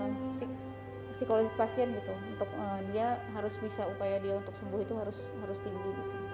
psikologis pasien gitu untuk dia harus bisa upaya dia untuk sembuh itu harus tinggi